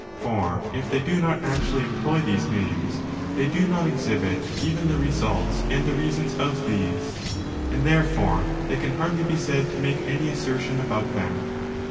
For if they do not actuaUy employ these names, they do not exhibit even the results and the reasons of these, and therefore they can hardly be said to make any assertion about them.